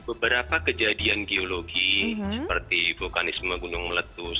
beberapa kejadian geologi seperti vulkanisme gunung meletus